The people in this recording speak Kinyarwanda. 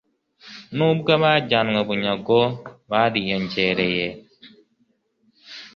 nubwo abajyanywe bunyago bariyongereye